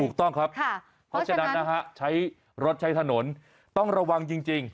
ถูกต้องครับใช่รถใช้ถนนต้องระวังจริง